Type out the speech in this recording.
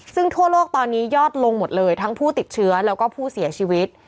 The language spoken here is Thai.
ซึ่งทั่วโลกตอนนี้ยอดลงหมดเลยทั้งผู้ติดเชื้อแล้วก็ผู้เสียชีวิต